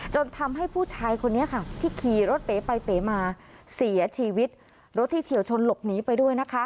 จนทำให้ผู้ชายคนนี้ค่ะที่ขี่รถเป๋ไปเป๋มาเสียชีวิตรถที่เฉียวชนหลบหนีไปด้วยนะคะ